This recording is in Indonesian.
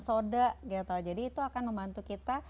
soda gitu jadi itu akan membantu kita